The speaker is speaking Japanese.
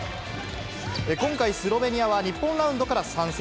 今回、スロベニアは日本ラウンドから参戦。